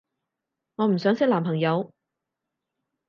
我唔想識男朋友